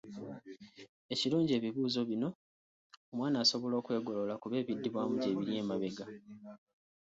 Ekirungi ebibuuzo bino omwana asobola okwegolola kuba ebiddibwamu gyebiri emabega.